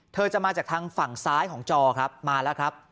จะมาจากทางฝั่งซ้ายของจอครับมาแล้วครับ